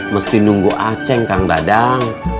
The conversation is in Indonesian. mesti nunggu aceh kang dadang